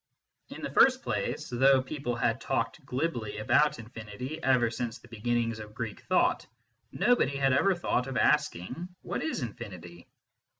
In the first place, though people had talked glibly about infinity ever since the beginnings of Greek thought, nobody had ever thought of asking, What is infinity